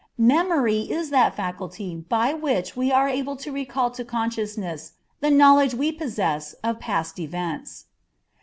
Memory is that faculty by which we are able to recall to consciousness the knowledge we possess of past events.